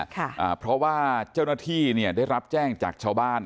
ค่ะอ่าเพราะว่าเจ้าหน้าที่เนี่ยได้รับแจ้งจากชาวบ้าน